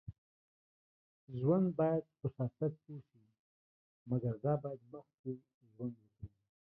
ژوند باید په شاتګ پوه شي. مګر دا باید مخکې ژوند وکړي